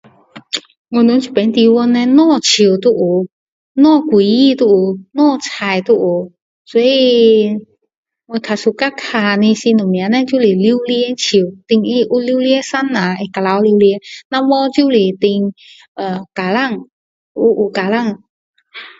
我们这边地方叻什么树都有什么水果都有什么菜都有所以我较喜欢看的是什么叻就是榴莲树等它有榴莲生下会掉榴莲若没有就是呃等橄榄黑橄榄